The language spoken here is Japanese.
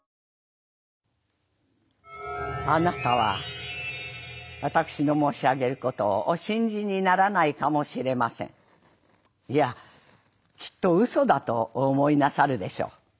「あなたは私の申し上げることをお信じにならないかもしれません。いやきっとうそだとお思いなさるでしょう。